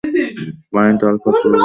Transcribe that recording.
Point আলফাতে প্রবেশ করছি।